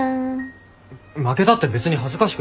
負けたって別に恥ずかしくないだろ。